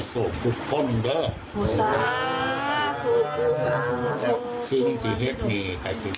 คุณผู้ชมค่ะลองดูนิดนึงไหมคะคุณผู้ชมค่ะ